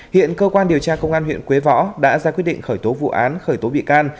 hiện cơ quan điều tra công an huyện quế võ đã ra quyết định khởi tố vụ án khởi tố bị can